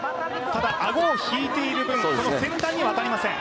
ただ、顎を引いている分、先端には当たりません。